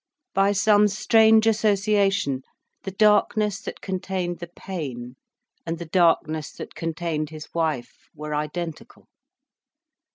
By some strange association, the darkness that contained the pain and the darkness that contained his wife were identical.